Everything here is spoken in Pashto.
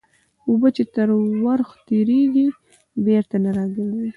اوبه چې تر ورخ تېري سي بېرته نه راګرځي.